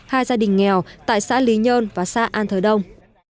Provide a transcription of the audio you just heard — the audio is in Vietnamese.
hai gia đình nghèo tại xã lý nhơn và xã an thới đông